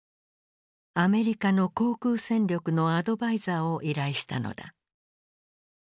アメリカの航空戦力のアドバイザーを依頼したのだ。